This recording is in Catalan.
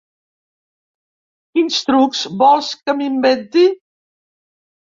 Quins trucs vols que m'inventi?